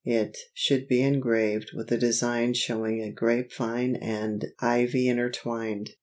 It should be engraved with a design showing a grape vine and ivy intertwined.